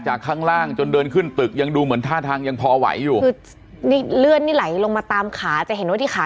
ข้างล่างจนเดินขึ้นตึกยังดูเหมือนท่าทางยังพอไหวอยู่คือนี่เลือดนี่ไหลลงมาตามขาจะเห็นว่าที่ขา